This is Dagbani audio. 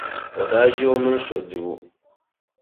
O daa ʒi o mini so dibu.